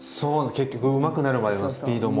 結局うまくなるまでのスピードも。